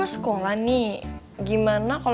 mas jangan mas